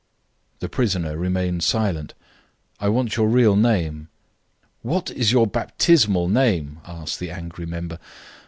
The prisoner remained silent. "I want your real name." "What is your baptismal name?" asked the angry member.